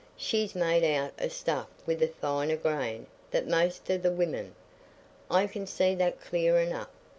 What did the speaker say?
She's made out o' stuff with a finer grain than most o' the women; I can see that clear enough.